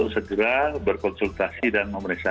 segera berkonsultasi dan memeriksa